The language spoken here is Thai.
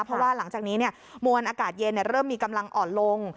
เพราะว่าหลังจากนี้มวลอากาศเย็นเริ่มมีกำลังอ่อนลง